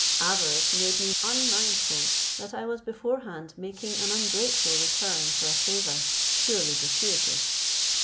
Avarice made me unmindful that I was beforehand making an ungrateful return for a favour, purely gratuitous.